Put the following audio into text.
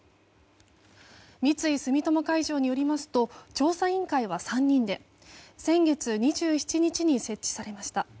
三井住友海上によりますと調査委員会は３人で先月２７日に設置されました。